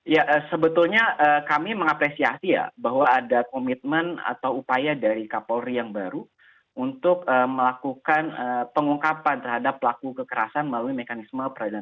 ya sebetulnya kami mengapresiasi ya bahwa ada komitmen atau upaya dari kapolri yang baru untuk melakukan pengungkapan terhadap pelaku kekerasan melalui mekanisme peradilan